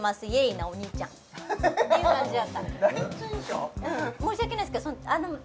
なお兄ちゃんっていう感じだった第一印象？